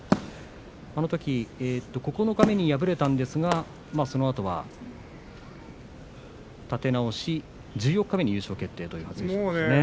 このとき九日目に敗れたんですがそのあとは、立て直して十四日目に優勝決定でした。